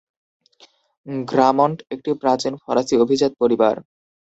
Gramont একটি প্রাচীন ফরাসি অভিজাত পরিবার।